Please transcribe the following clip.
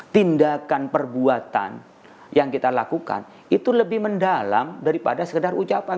tindakan perbuatan yang kita lakukan itu lebih mendalam daripada sekedar ucapan